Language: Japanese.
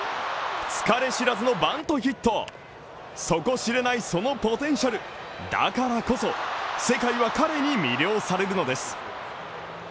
疲れ知らずのバントヒット底知れないそのポテンシャルだからこそ、世界は彼に魅了されるのです。